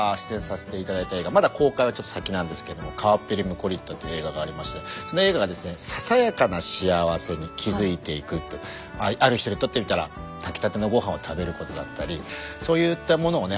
まだ公開はちょっと先なんですけども「川っぺりムコリッタ」という映画がありましてその映画がですねある人にとってみたら炊きたての御飯を食べることだったりそういったものをね